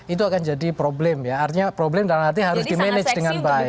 itu akan jadi problem ya artinya problem dalam arti harus di manage dengan baik